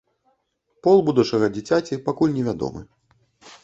Пол будучага дзіцяці пакуль невядомы.